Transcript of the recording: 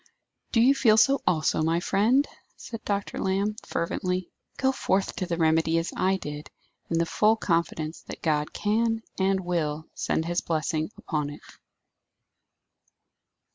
"Do you feel so, also, my friend!" said Dr. Lamb, fervently. "Go forth to the remedy as I did, in the full confidence that God can, and will, send His blessing upon it."